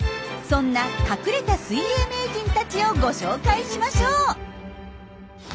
そんな隠れた水泳名人たちをご紹介しましょう。